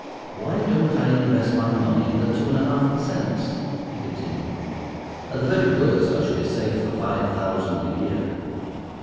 "Why don't I invest my money in the two and a half per cents?" he continued. "At the very worst I should be safe for five thousand a year.